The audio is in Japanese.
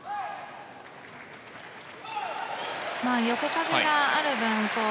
横風がある分